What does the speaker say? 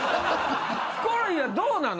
ヒコロヒーはどうなの？